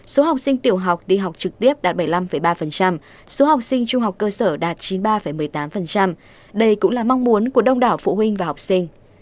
số học sinh tiểu học đi học trực tiếp đạt bảy mươi năm ba số học sinh trung học cơ sở đạt chín mươi ba một mươi tám đây cũng là mong muốn của đông đảo phụ huynh và học sinh